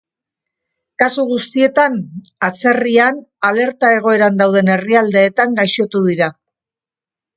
Kasu guztietan, atzerrian, alerta egoeran dauden herrialdeetan, gaixotu dira.